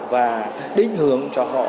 và đính hướng cho họ